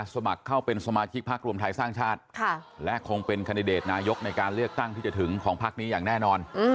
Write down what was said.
สมัครเข้าเป็นสมาชิกพักรวมไทยสร้างชาติและคงเป็นคันดิเดตนายกในการเลือกตั้งที่จะถึงของพักนี้อย่างแน่นอน